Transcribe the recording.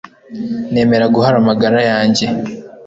nemera guhara amagara yanjye